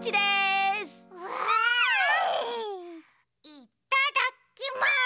いっただきます！